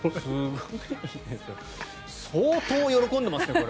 相当、これは喜んでますね。